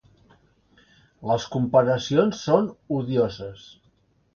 Les comparacions són odioses.